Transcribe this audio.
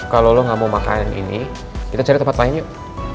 kalau lo gak mau makanan ini kita cari tempat lain yuk